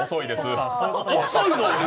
遅いの？